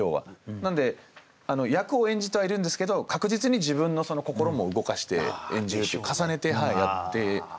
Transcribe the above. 何で役を演じてはいるんですけど確実に自分の心も動かして演じるという重ねてやってる感じですかね。